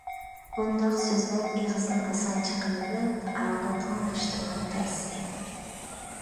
بۇنداق سۆزلەر ئېغىزدىن ئاسان چىققىنى بىلەن، ئاقىۋىتىنى يىغىشتۇرماق تەس.